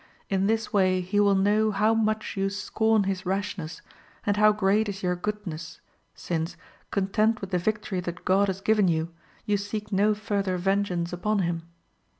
In this way he will know how much you scorn his rashness, and how great is your goodness, since, content with the victory that God has given you, you seek no further vengeance upon him.